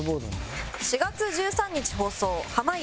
「４月１３日放送濱家